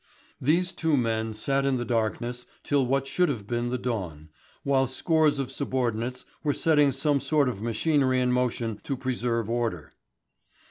These two men sat in the darkness till what should have been the dawn, whilst scores of subordinates were setting some sort of machinery in motion to preserve order.